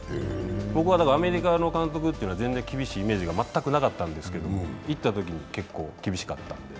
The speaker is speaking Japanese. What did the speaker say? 僕はアメリカの監督というのは全然厳しいイメージが全くなかったんですけど行ったときに結構厳しかったんで。